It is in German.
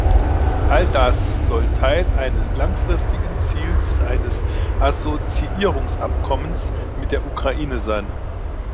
All das sollte Teil eines langfristigen Ziels eines Assoziierungsabkommens mit der Ukraine sein.